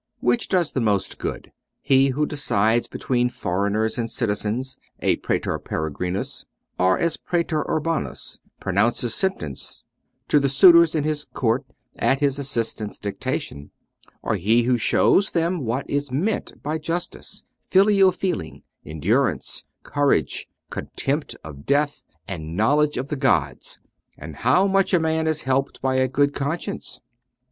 Which does the most good, he who decides between foreigners and citizens (as praetor peregrinus), or, as praetor urbanus, pro nounces sentence to the suitors in his court at his assistant's dictation, or he who shows them what is meant by justice, filial feeling, endurance, courage, contempt of death and knowledge of the gods, and how much a man is helped by a good conscience